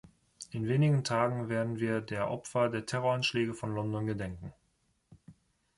In wenigen Tagen werden wir der Opfer der Terroranschläge von London gedenken.